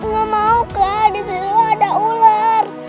gak mau kak disini ada ular